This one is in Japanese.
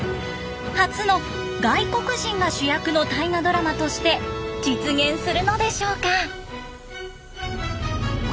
初の外国人が主役の大河ドラマとして実現するのでしょうか？